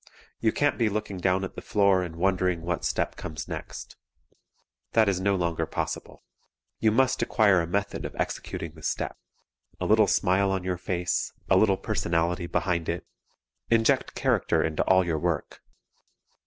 You can't be looking down at the floor and wondering what step comes next. That is no longer possible. You must acquire a method of executing the step; a little smile on your face; a little personality behind it; inject character into all your work.